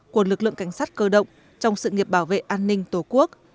của lực lượng cảnh sát cơ động trong sự nghiệp bảo vệ an ninh tổ quốc